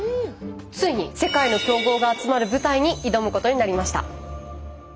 ついに世界の強豪が集まる舞台に挑むことになりました。